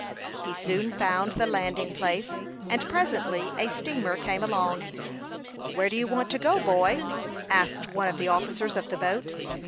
He soon found the landing place, and presently a steamer came along. "Where do you want to go, boy?" asked one of the officers of the boat.